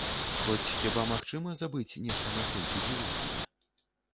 Хоць хіба магчыма забыць нешта настолькі дзівоснае?